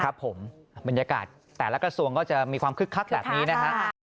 ครับผมบรรยากาศแต่ละกระทรวงก็จะมีความคึกคักแบบนี้นะฮะ